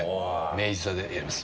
明治座でやります。